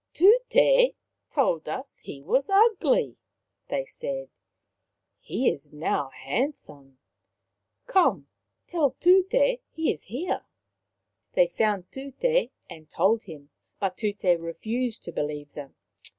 " Tute told us he was ugly," they said. " He is now handsome. Come, tell Tute he is here." They found Tut6 and told him, but Tut6 refused to believe them.